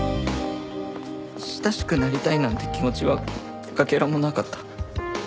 親しくなりたいなんて気持ちはかけらもなかった。